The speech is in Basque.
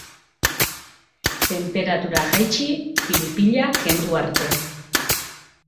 Tenperatura jaitsi pil-pila kendu arte.